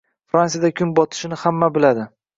Fransiyada kun botishini hamma biladi.